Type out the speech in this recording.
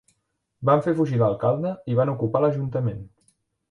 Van fer fugir l'alcalde i van ocupar l'ajuntament.